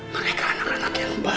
mereka anak anak yang baik